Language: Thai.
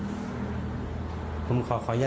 ที่อยู่กองพี่นายอยู่ก็เลย